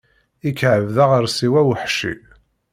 Ikɛeb d aɣersiw aweḥci.